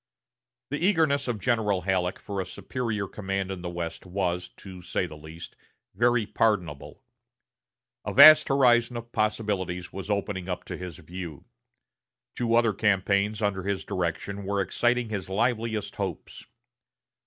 The eagerness of General Halleck for superior command in the West was, to say the least, very pardonable. A vast horizon of possibilities was opening up to his view. Two other campaigns under his direction were exciting his liveliest hopes.